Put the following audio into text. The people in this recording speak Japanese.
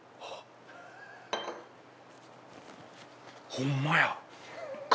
ホンマや！